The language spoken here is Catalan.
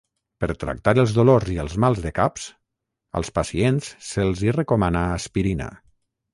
Per tractar els dolors i els mals de caps, als pacients se’ls hi recomana aspirina.